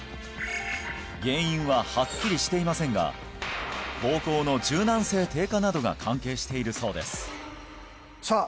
原因ははっきりしていませんが膀胱の柔軟性低下などが関係しているそうですさあ